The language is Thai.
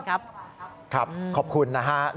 ครับขอบคุณนะฮะ